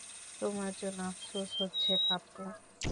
তোমার জন্য আফসোস হচ্ছে, পাপ্পু।